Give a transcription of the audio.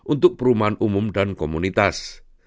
untuk perumahan umum dan komunitas